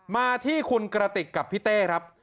มาที่คุณกระติกกับพี่เต้ครับ